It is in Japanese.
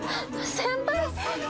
先輩！